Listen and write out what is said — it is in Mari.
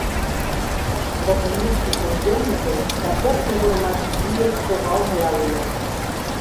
Потомушто шеҥгелныже да кок могырымат илыш шогалмыла лийын.